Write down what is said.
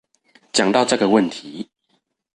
講到這個問題